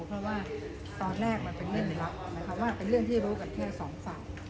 เพราะว่าตอนแรกมันเป็นเรื่องลี้ลับนะคะว่าเป็นเรื่องที่รู้กันแค่สองฝ่าย